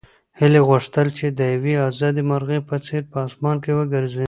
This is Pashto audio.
هیلې غوښتل چې د یوې ازادې مرغۍ په څېر په اسمان کې وګرځي.